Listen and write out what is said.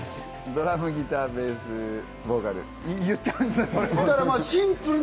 ドラム、ギター、ベース、ボーカル。